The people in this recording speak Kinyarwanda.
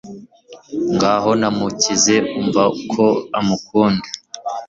ngaho namukize, umva ko amukunda